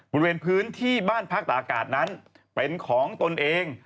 บริเวณพื้นที่บ้านพักตาอากาศนั้นเป็นของตนเอง